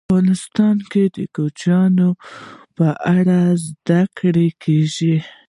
افغانستان کې د کوچیانو په اړه زده کړه کېږي.